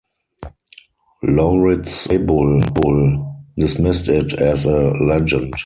Lauritz Weibull dismissed it as a legend.